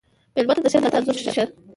مېلمه ته د ښه نیت انځور شه.